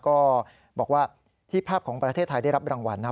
ก็บอกว่าที่ภาพของประเทศไทยได้รับรางวัลนะ